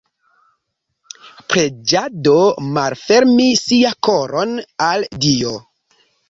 Preĝado: malfermi sia koron al Dio.